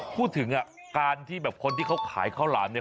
พูดถึงอ่ะการที่แบบคนที่เขาขายข้าวหลามเนี่ย